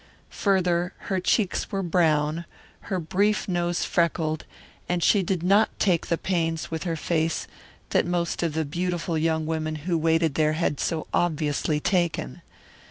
Further, her cheeks were brown, her brief nose freckled, and she did not take the pains with her face that most of the beautiful young women who waited there had so obviously taken.